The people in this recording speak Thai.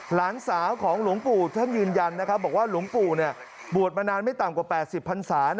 หลานสาวของหลวงปู่ท่านยืนยันนะครับบอกว่าหลวงปู่บวชมานานไม่ต่ำกว่า๘๐พันศา